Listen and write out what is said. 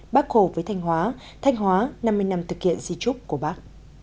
bác hồ với thanh hóa thanh hóa năm mươi năm thực hiện di trúc của bác